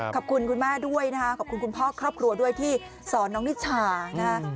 ขอบคุณคุณแม่ด้วยนะคะขอบคุณคุณพ่อครอบครัวด้วยที่สอนน้องนิชานะฮะ